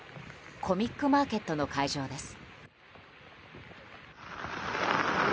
コミックマーケットの会場です。